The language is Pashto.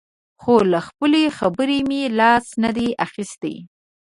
خو له خپلې خبرې مې لاس نه دی اخیستی.